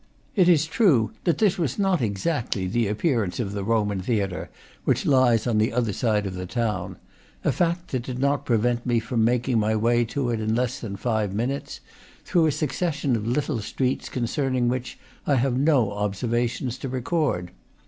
It is true that this was not exactly the appearance of the Roman theatre, which lies on the other side of the town; a fact that did not prevent me from making my way to it in less than five minutes, through a suc cession of little streets concerning which I have no observations to record.